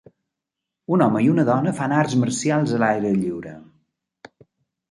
Un home i una dona fan arts marcials a l'aire lliure.